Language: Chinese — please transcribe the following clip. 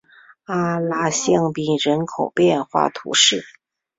阿拉香槟人口变化图示